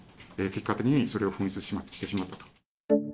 結果的にそれを紛失してしまったと。